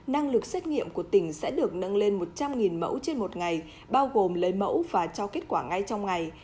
năng lực xét nghiệm của tỉnh sẽ được nâng lên một trăm linh mẫu trên một ngày bao gồm lấy mẫu và cho kết quả ngay trong ngày